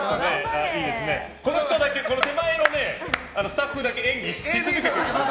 この手前のスタッフだけ演技し続けてる。